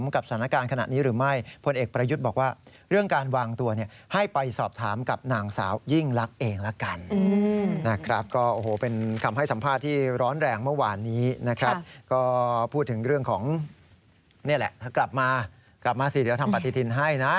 ก็พูดถึงเรื่องของนี่แหละกลับมาสิเดี๋ยวทำปฏิทินให้นะ